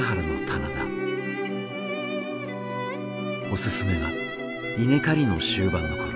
おすすめは稲刈りの終盤の頃。